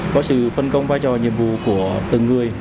có sự phân công vai trò nhiệm vụ của từng người